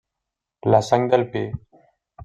La Sang del Pi.